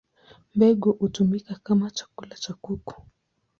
Mbegu hutumika kama chakula cha kuku.